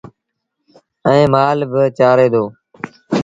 ائيٚݩ مآل با چآري دو